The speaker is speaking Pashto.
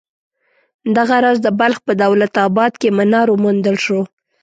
دغه راز د بلخ په دولت اباد کې منار وموندل شو.